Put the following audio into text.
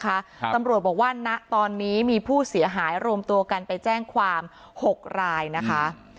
ตำรวจบอกว่าณตอนนี้มีผู้เสียหายรวมตัวกันไปแจ้งความหกรายนะคะ